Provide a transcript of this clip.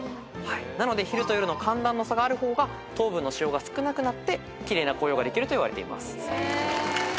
なので昼と夜の寒暖の差がある方が糖分の使用が少なくなって奇麗な紅葉ができるといわれています。